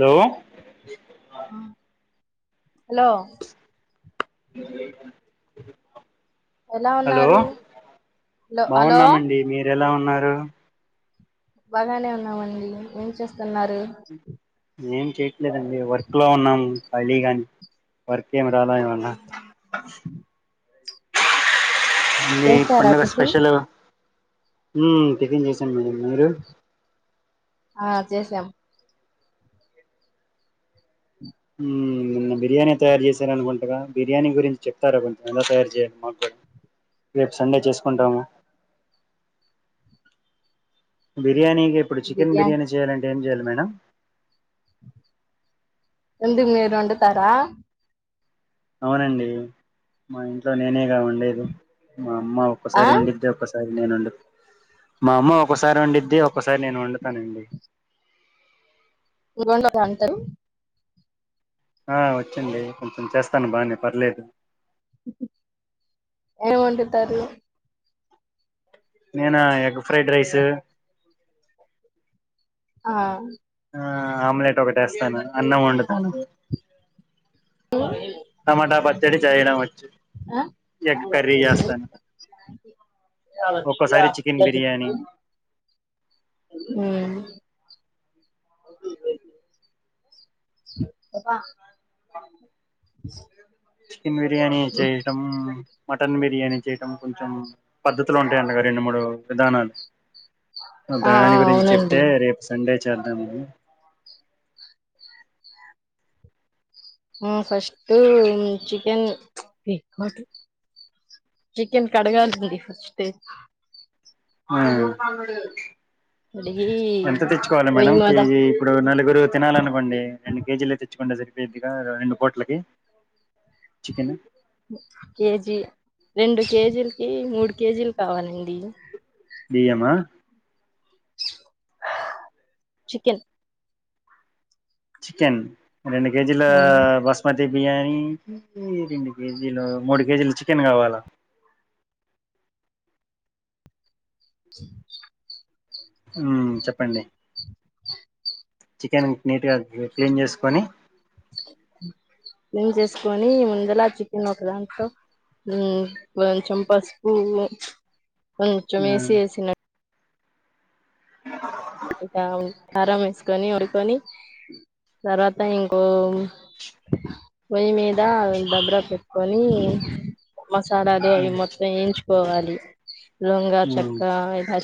Hello hello [inaudible] ఎలా hello ఉన్నారు hello hello బాగున్నామండి మీరేలా ఉన్నారు బాగానే ఉన్నామండి ఏం చేస్తున్నారు ఏం చెయ్యట్లేదండి వర్క్ లో ఉన్నాం ఖాలీగానే వర్క్ ఏంరాల ఏమన్న ఏ చేసారా పండుగ టిఫిన్ స్పెషలు ఉమ్ టిఫిన్ చేసానండి మీరు ఆ చేసాం ఉమ్ నిన్న బిర్యానీ తయారు చేశారనుకుంటగా బిర్యానీ గురించి చెప్తారా కొంచెం ఎలా తయారు చేయాలి మాక్కూడా రేపు సండే చేసుకుంటాము బిర్యానీకిప్పుడు చికెన్ బిర్యానీ చేయాలంటే ఏం చేయాలే మేడం ఎందుకు మీరోండుతారా అవునండి మా ఇంట్లో నేనేగా వండేది మా అమ్మ ఆ ఒక్కసారి వండిద్ది ఒకసారి మా అమ్మ ఒకసారి వండిద్ది ఒక్కసారి నేను వండుతానండి [unintelligible] అంటారు ఆ వచ్చండి కొంచెం చేస్తాను బానే పర్లేదు ఏమోండుతారు నేనా ఎగ్ ఫ్రైడ్ రైస్ ఆ ఆ ఆమ్లెట్ ఒకటేస్తాను అన్నం వండుతాను టమాటా పచ్చడి చేయడం వచ్చు ఆ ఎగ్ కర్రీ చేస్తాను ఒక్కోసారి చికెన్ బిర్యానీ మ్ [unintelligible] చికెన్ బిర్యానీ చేయటం మటన్ బిర్యానీ చేయడం కొంచెం పద్ధతులు ఉంటాయిండగా రెండు మూడు విధానాలు ఆ ఆ దాని గురించి అవునండి చెప్తే రేపు సండే చేద్దామని మ్ ఫస్ట్ చికెన్ చికెన్ కడగాలి ఫస్ట్ మ్ కడిగి ఎంత తెచ్చుకోవాలి పొయ్యి మేడం మీద కేజీ ఇప్పుడు నలుగురు తినాలనుకోండి రెండు కేజీలు తెచ్చుకుంటె సరిపోయిద్దిగా రెండు పూట్లకి చికెను కేజీ రెండు కేజీలకి మూడు కేజీలు కావాలండి బియ్యమా చికెన్ చికెన్ రెండు కేజీల బస్ మతి బిర్యానీకి రెండు కేజీలు మూడు కేజీలు చికెన్ కావాలా ఉమ్ చెప్పండి చికెన్ నీట్గ క్లీన్ చేసుకొని క్లీన్ చేసుకొని ముందుల చికెన్ ఒక దాంట్లో ఉమ్ కొంచం పసుపు కొంచం మ్మ్ వేసే ఇక కారం వేసుకొని వండుకొని తర్వాత ఇంకో పొయ్యి మీద దబ్బ్రా పెట్టుకొని మసాలాలు అవి మొత్తం [unintelligible] వాలి [unintelligible] మ్మ్ చెక్క ఇలా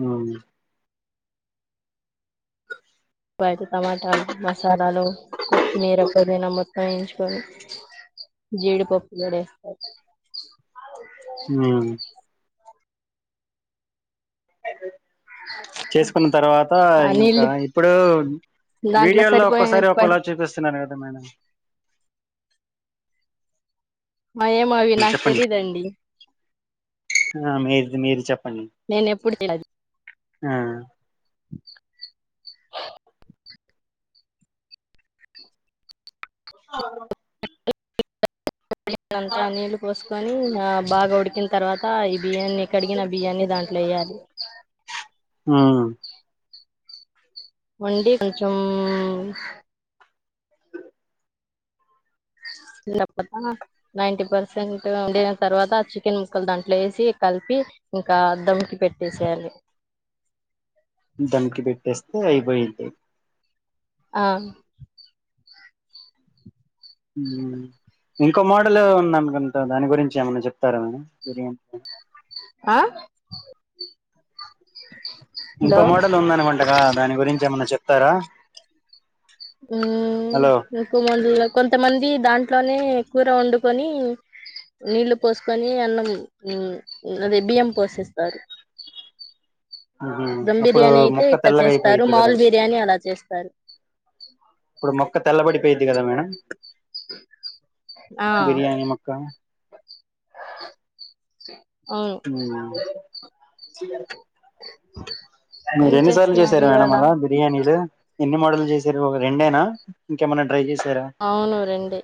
ఉ అయితే టమాటాలు మసాలాలు కొత్తిమీర పుదీన మో వేయించుకోని జీడిపప్పు గుడ [unintelligible] ఉ చేసుకున్న తర్వాత ఆ ఇంక నీళ్లు ఇప్పుడు దాంట్లో వీడియోల్లో సరిపోయిన ఒక్కోసారి పడి ఒకల చూపిస్తున్నారు కదా మేడం మరి ఏమో అవి నాకు చెప్పండి తెలీదండి ఆ మీది మీరు చెప్పండి నేను ఎప్పుడు [unintelligible] ఆ అ [unintelligible] అంతా నీళ్లు పోసుకొని బాగ ఉడికి తర్వాత ఈ బియ్యాన్ని కడిగిన బియ్యాన్ని దాంట్లో ఎయాలి ఆ వండి కొంచం [unintelligible] నైన్టీ పర్సెంట్ వండిన తర్వాత చికెన్ ముక్కలు దాంట్లో ఎసి కలిపి ఇంక దమ్కి పెట్టేసేయాలి దమ్కి పెట్టేస్తే అయిపోయిది ఆ ఇంకో మోడల్ ఉందనుకుంట దాని గురించి ఏమైన్నా చెప్తార మేడం బిర్యానీ అ హలో ఇంకో మోడల్ [unintelligible] దాని గురించి ఏమన్న చెప్తార హు [unintelligible] కొంతమంది దాంట్లోనే కూర వండుకొని నీళ్లు పోసుకొని అన్నం అదే బియ్యం పోసేస్తారు ఉహు దమ్ అప్పుడు బిర్యానీ అయితే మొక్క ఇట్ట తెల్లగా చేస్తారు అయిపోయిద్ది కదా మాముల్ బిర్యానీ అలా చేస్తారు ఇప్పుడు మొక్క తెల్లబడిపోయిది కదా మేడం ఆ బిర్యానీ అవును హు ఏం మీరు ఎన్ని సార్లు చేస్తున్నారు చేసారు మేడం ఇవాళ అల బి బిర్యానీలు ఎన్ని మోడలు చేసారు రెండేనా ఇంకేమనా ట్రై చేసార అవును రెండే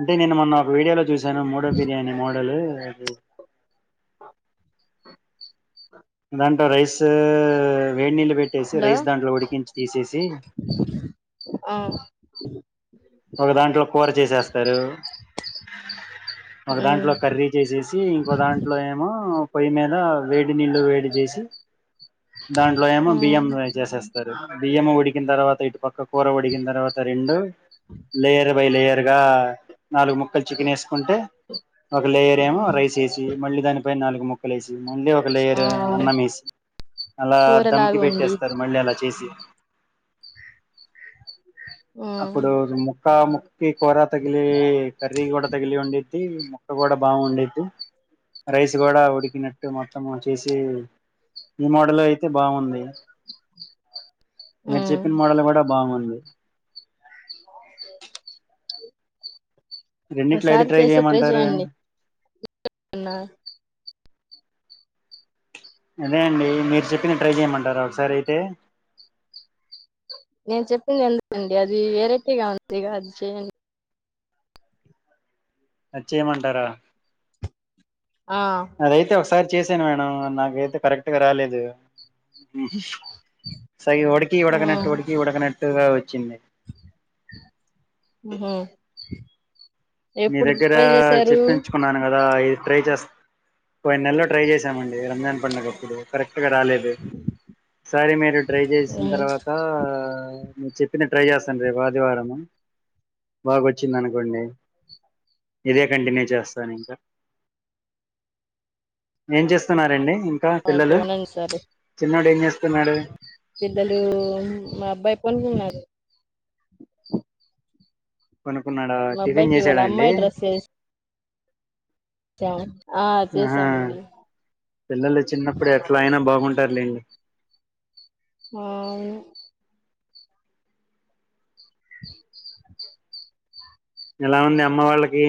అంటే నేను మొన్న ఒక వీడియోలో చూసాను మోడో బిర్యానీ మోడలు అది దాంట్లో రైస్ వేడి నీళ్ళు పెట్టేసి హలో రైస్ దాంట్లో ఉడికించి తీసేసి ఆ ఒక దాంట్లో కూర చేసేస్తారు ఒక దాంట్లో ఉమ్ కర్రీ చేసేసి ఇంకో దాంట్లో ఏమో పొయ్యి మీద వేడి నీళ్ళు వేడి చేసి దాంట్లో ఏమో బియ్యం ఉమ్ చేసేస్ బియ్యము ఉడికిన తర్వాత ఇటు పక్క కూర ఉడికిన తర్వాత రెండు అ లేయర్ బై లేయర్గా నాలుగు ము మక్క చికెన్ ఎస్కుంటే ఒక లేయర్ ఏమో ఉమ్ రైస్ వేసి మళ్ళీ దానిపై నాలుగు ముక్కలు కాలేసి ముందే ఒక ఆ లేయరు అన్నం ఎసి అలా కూరలాగా దమ్కి వండి పెట్టేస్తారు మళ్ళీ అలా చేసి అ అప్పుడు ముక్క ముక్కకి కూర తగిలి కర్రీ కూడా తగిలిఉండి తి మొక్క కూడా బాగుండేద్ది రైస్ కూడా ఉడికినట్టు మొత్తామోచేసి ఈ మోడలైతే బాగుంది మీరు ఉమ్ చెప్పిన మోడల్ కూడా బాగుంది ఓకే రెండిట్లో ఏది ఒకసారి చేసి ట్రై చేయమంటారు చేయండి [unintelligible] అదే అండి మీరు చెప్పిది ట్రై చేయమంటారా ఒకసారి అయితే నేను చెప్పింది ఎందుకండి అది వెరైటీగా ఉందిగ అది చేయండి అద్చేమంటారా ఆ అదైతే ఒకసారి చేసాను మేడం నాకైతే కరెక్ట్ గా రాలేదు సగి ఉడికి ఉడకనట్టు ఉడికి ఉడకనట్టుగా వచ్చింది ఓహో ఎప్పుడు ట్రై చేసారు కున్నాను కదా ఇది ట్రై చేస్ పోయి నెలల్లో ట్రై చేశామండి రంజాన్ పండగప్పుడు కరెక్ట్గ రాలేదు సర మీరు ట్రై చేస్న ఉమ్ తర్వాత మీర్ చెప్పిది ట్రై చేస్తాను రేపు ఆదివారంము బాగా వచ్చింది అనుకోండి ఇదే కంటిన్యూ చేస్తాను ఇంకా ఏం చేస్తున్నారండి క ఓకే పిల్లలు ఉండండి సరే చిన్నోడు ఏం చేస్తున్నాడు పిల్లలు మా అబ్బాయి పోనుకున్నారు పోనుకున్నాడా మా టిఫిన్ అబ్బాయికి ఇవాళ చేసాడండి అమ్మాయి డ్రెస్ చా ఆ ఆహా చేసామండి పిల్లలు చిన్నప్పుడు ఎట్లా అయినా బాగుంటారులేండి ఆవును [inaudible] ఎలా ఉంది అమ్మ వాళ్ళకి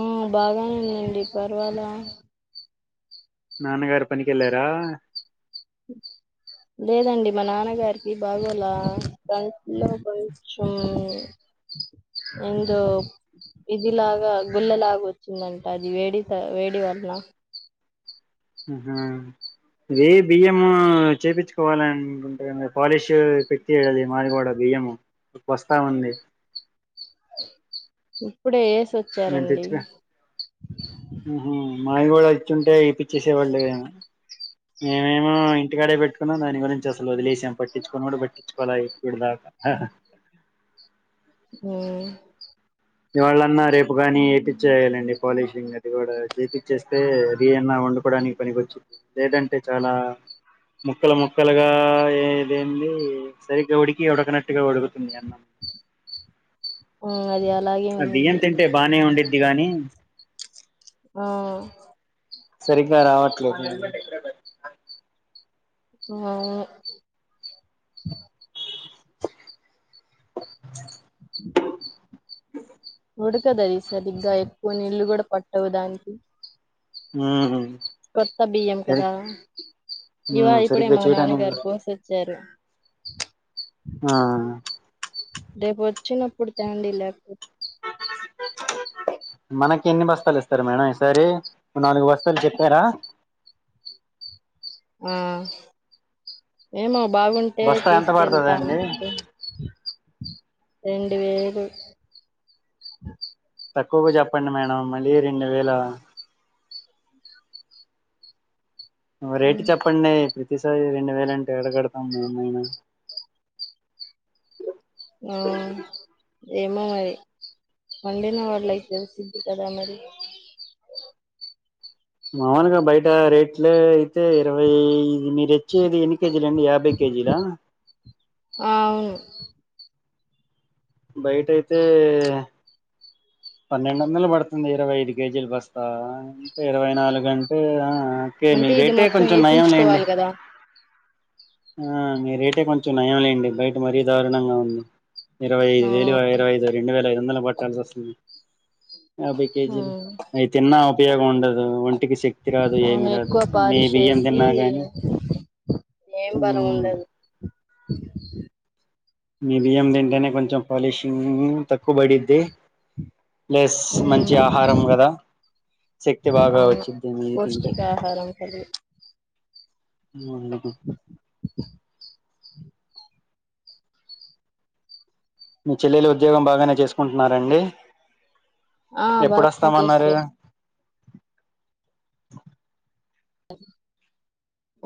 ఉ బాగుంది అండి పర్వాలా నాన్నగారు పనికెళ్ళారా లేదండి మా నాన్నగారికి బాగోలా కట్లో కొంచం ఇందో ఇదిలాగా గుల్లలాగా వచ్చిందంట అది వేడి త వేడి వల్న అహా ఏ బియ్యమూ చేపిచ్చుకోవాలన్ పాలిష్ పెక్టి యది మాదిగోడ బియ్యము వస్తా ఉంది. ఇప్పుడే ఏసి మేమ్ తెచ్కొ ఉహూ మావిగొడా ఇచ్చింటే ఇప్పి చ్చేసేవాళ్ళే గా మేమేమో మా ఇంటికాడే బెట్టుకున్నాం. దాని గురించి అసలు ఒదిలేశాం. పట్టించుకునోళ్ళు బట్టించుకోల అయి ఈడీదాక ఆహా! సో ఇవాళన్నా, రేపు గానీ, ఏపిచ్చేయాలండి పాలిషింగ్. అది గూడా ఏచేపిచ్చేస్తే, ఇయన్నా వండుకోడానికి పనికొచ్చు లేదంటే చాలా ముక్కలు ముక్కలుగా ఏది ఏందియి సరిగ్గా ఉడికి ఉడకనట్టుగా ఉడుగుతుంది అన్నం. ఉమ్ అది అలాగే ఉండిద్ది. టే బాగనే ఉండిద్ది గాని ఆ సరిగ్గా రావట్లేదు. సువావ్వె అ ఉడకదది సరిగ్గా ఎక్కువ నీళ్ళు గుడా పట్టవు దానికి ఊహు కొత్త బియ్యం కదా? ఇవా మ్మ్ ఇప్పుడే సరిగ్గా మా చేయడానికి నాన్నగారు పోసిచ్చారు. త్లె ఆ రేపు ఒచ్చినప్పుడు తెండి లేకపో మనకి ఎన్ని బస్తాలు ఇస్తారు మేడం ఈసారి? ఒ నాలుగు బస్తాలు చెప్పారా? ఆ ఏమో! బాగుంటే బస్తా ఎంత తీసుకెళ్తాము. పడతదండి తె రెండు వేలు తక్కువుగ జెప్పండి మేడం మళ్ళీ రెండు వేలా? ఒ రేటు చెప్పండీ. ప్రతిసారి రెండు వేలంటే ఎల గడతాం మేమయినా? ఊ ఏమో! మరి పండిన వడ్లైతే, ఏసిద్ధి కదా మరీ. మాములుగ బయట రేట్లో అయితే ఇరవై ఎనిమిది చ్చేది ఎన్ని కేజీలండి? యాభై కేజీలా? ఆ, అవును, బయట అయితే, పన్నెండు వందలు బడుతుంది ఇరవై ఐదు కేజీలు బస్తా. అంటే, ఇరవై నాలుగంటే అ ఆ కేమి అంటే ఇది రేటే మొత్తం కొంచెం నయం లెండి. ఏపించుకోవాలి కదా ఆ మీ రేటే కొంచం నయం లెండి, బయట మరీ దారుణంగా ఉంది. ఇరవై ఐదు ఆ వేలు ఇరవై ఐదు రెండు వేల ఐదు వందలు బట్టాల్సి అస్తుంది. యాబై కేజిలు అయి తిన్నా ఉపయోగముండదూ. ఒంటికి శ క్తి రాదు అవును ఏమి రాదు. ఎక్కువ మీ పాలిష్ బియ్యం వేసి దిన్నా గానీ ఏం బలం ఉండదు. మీ బియ్యం తింటేనే, కొంచం పాలిషింగ్ తక్కు బడిద్ది. ప్లెస్ మంచి ఆహారం గదా? శక్తి బాగా అవును వచ్చుద్ది ఇది తింటే పౌష్టికాహారం కలిగి ఆహ మీ చెల్లెలు ఉద్యోగం బాగానే చేసుకుంటున్నారండి ఆ ఎప్పుడు బలం వస్తామన్నారు చేస్తుంది ఓ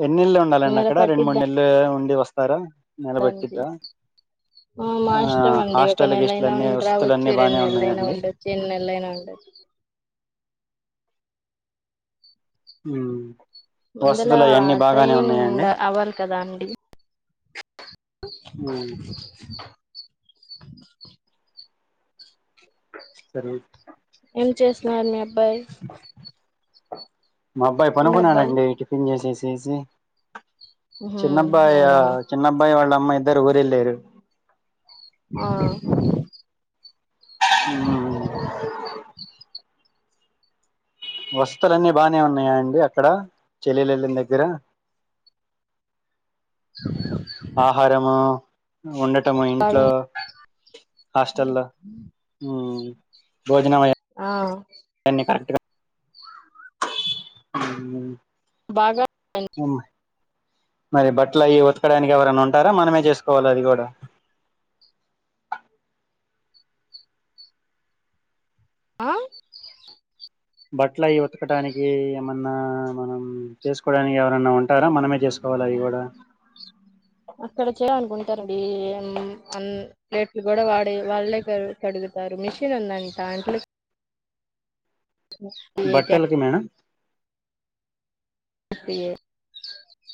ఎన్ని నెలలు ఉండాలండి అక్కడ రెండు మూడు పట్టిద్ది నెలలు ఉండి వస్తారా దానికి నెలపట్టిద్దా ఆ మాఇష్టమండి ఒక నెల గిస్టల్ అయినా అన్ని వసతులు ఉండిరావచ్చు అన్ని రెండు బానే నెలైనా ఉన్నాయండి ఉండ ఎన్ నెలలైనా ఉండుది హ్మ్ ముందలా ట్రైనింగ్ ఉండ అవ్వాలి కదా అండి హ్మ్ [inaudible] సరే ఏం చేస్తున్నారు మీ అబ్బాయి చిన్న అబ్బాయి [unintelligible] చేసేసి ఊహూ అవునా చిన్నబ్బాయి వాళ్ళ అమ్మ ఇద్దరు ఊరెళ్ళారు ఆ [inaudible] వసతులు అన్నీ బానే ఉన్నాయా అండి అక్కడ చెల్లెలు వెళ్ళిన దగ్గర ఆహారము ఉండటము బాగా ఇంట్లో హాస్టల్లో హ్మ్ భోజనం అయ ఆ దాన్ని కరెక్ట్ గా హ్మ్ బాగా హ్మ్ మరి బట్టల అయి ఉతకడానికి ఎవరైనా ఉంటారా మనమే చేసుకోవాల అది కూడా ఆ బట్టలు అయి ఉతకటడానికి ఏమన్నా మనం చేసుకోడానికి ఎవరన్నా ఉంటారా మనమే చేసుకో కోవాల అవి కూడా అక్కడ చేయడానికుంటారండి అన్ ప్లేట్లు కూడా వాడే వాళ్లే క కడుగుతారు మిషన్ ఉందంటా అంట్లు క్యాన్ బట్టలకి మేడం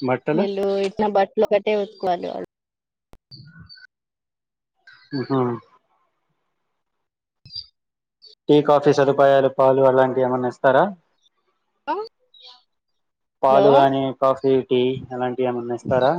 బట్టలు ఈళు ఇట్లా బట్టలు ఒకట్టే ఉతుక్కోవాలి ఆళ్ళు అ ఊహూ టీ కాఫీ సదుపాయాలు పాలు అలాంటివి ఏమన్నా ఇస్తారా హలో పాలు గాని కాఫీ టీ అలాంటివి ఏమన్నా ఇస్తారా